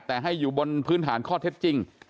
แต่ให้อยู่บนพื้นฐานข้อเท็จจริง